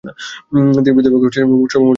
তিনি বিদ্যালয়মুখী হয়েছেন সর্বমোট চার বছর।